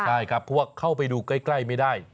ใช่ครับเพราะว่าเข้าไปดูใกล้ไม่ได้